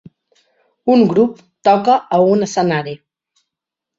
Un grup toca a un escenari.